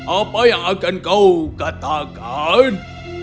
apa yang akan kau katakan